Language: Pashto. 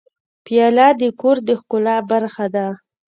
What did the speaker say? پیاله د کور د ښکلا برخه ده.